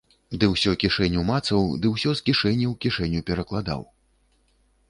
Ды ўсё кішэню мацаў, ды ўсё з кішэні ў кішэню перакладаў.